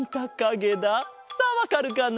さあわかるかな？